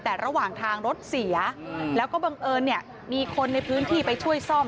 แต่ระหว่างทางรถเสียแล้วก็บังเอิญเนี่ยมีคนในพื้นที่ไปช่วยซ่อม